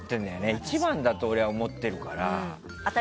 一番だと思ってるから。